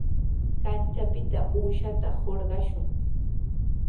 Kanchapita uushata hurqashun.